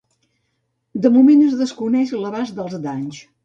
De moment es desconeix l’abast dels danys.